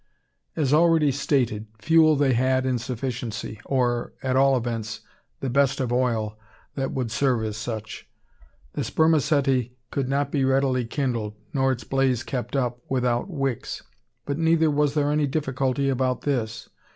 As already stated, fuel they had in sufficiency; or, at all events, the best of oil, that would serve as such. The spermaceti could not be readily kindled, nor its blaze kept up, without wicks. But neither was there any difficulty about this.